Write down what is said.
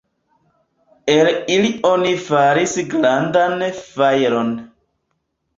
El ili oni faris grandan fajron.